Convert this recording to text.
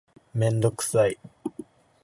メンドクサイ